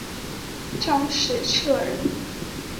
张时彻人。